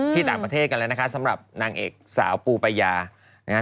ที่ต่างประเทศกันแล้วนะคะสำหรับนางเอกสาวปูปายานะฮะ